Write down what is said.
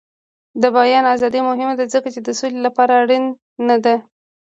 د بیان ازادي مهمه ده ځکه چې د سولې لپاره اړینه ده.